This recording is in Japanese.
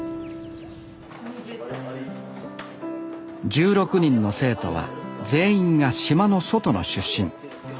１６人の生徒は全員が島の外の出身。